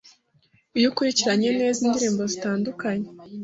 Iyo ukurikirenye neze indirimbo zitendukenye